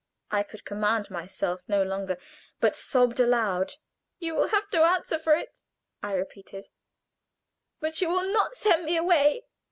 I could command myself no longer, but sobbed aloud. "You will have to answer for it," I repeated; "but you will not send me away."